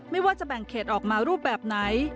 ไม่ว่าจะแบ่งเขตออกมารูปแบบไหน